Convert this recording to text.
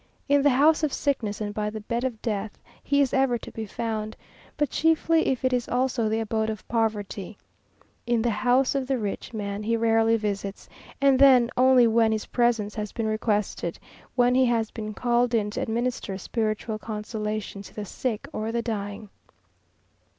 In the house of sickness and by the bed of death he is ever to be found, but chiefly if it is also the abode of poverty. In the house of the rich man he rarely visits, and then only when his presence has been requested when he has been called in to administer spiritual consolation to the sick or the dying.